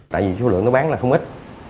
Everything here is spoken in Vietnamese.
tại vì số lượng nó bán là không ít